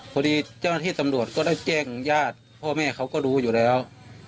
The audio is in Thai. พอดีเจ้าหน้าที่ตำรวจก็ได้แจ้งญาติพ่อแม่เขาก็รู้อยู่แล้ว